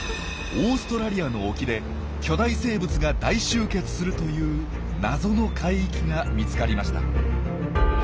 オーストラリアの沖で巨大生物が大集結するという「謎の海域」が見つかりました。